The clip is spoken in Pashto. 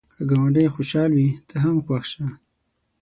که ګاونډی خوشحال وي، ته هم خوښ شه